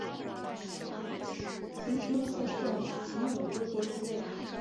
秦军护送夷吾回国即位。